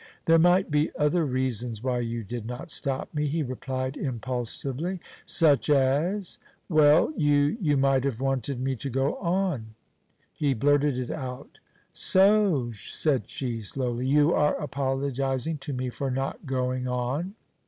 "There might be other reasons why you did not stop me," he replied impulsively. "Such as?" "Well, you you might have wanted me to go on." He blurted it out. "So," said she slowly, "you are apologizing to me for not going on?"